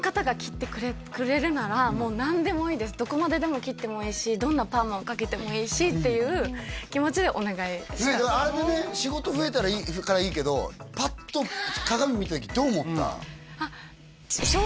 もうこの方がどこまででも切ってもいいしどんなパーマをかけてもいいしっていう気持ちでお願いしたあれでね仕事増えたからいいけどパッと鏡見た時どう思った？